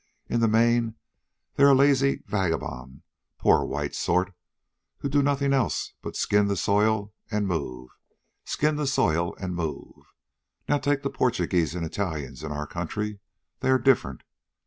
In the main they're a lazy, vagabond, poor white sort, who do nothing else but skin the soil and move, skin the soil and move. Now take the Portuguese and Italians in our country. They are different.